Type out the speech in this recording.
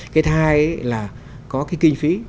cái thứ hai là có cái kinh phí